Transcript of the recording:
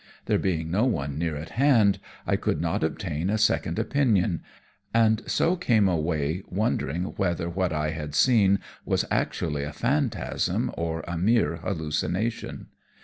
There being no one near at hand, I could not obtain a second opinion, and so came away wondering whether what I had seen was actually a phantasm or a mere hallucination.